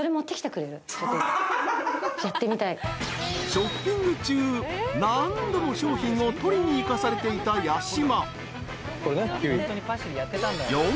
［ショッピング中何度も商品を取りに行かされていた八嶋］